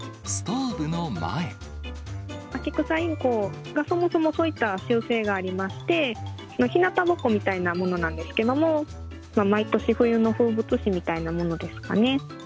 アキクサインコが、そもそもそういった習性がありまして、ひなたぼっこみたいなものなんですけれども、毎年冬の風物詩みたいなものですかね。